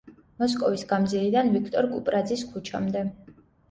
მოსკოვის გამზირიდან ვიქტორ კუპრაძის ქუჩამდე.